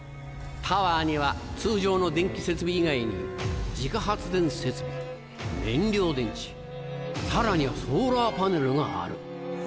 タワーには通常の電気設備以外に自家発電設備燃料電池さらにはソーラーパネルがある。